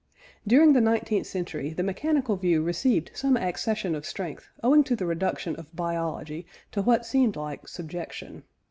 During the nineteenth century the mechanical view received some accession of strength owing to the reduction of biology to what seemed like subjection.